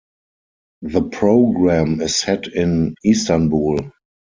The program is set in Istanbul.